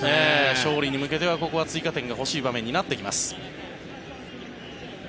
勝利に向けてはここは追加点が欲しい場面になってきます。